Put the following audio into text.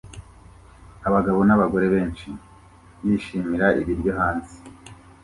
Abagabo n'abagore benshi bishimira ibiryo hanze